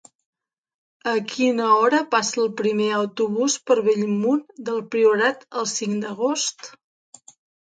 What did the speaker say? A quina hora passa el primer autobús per Bellmunt del Priorat el cinc d'agost?